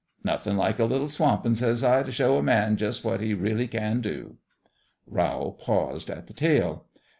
"'Nothin' like a little swampin',' says I, ' t' show a man jus' what he really can do.' " Rowl paused in the tale.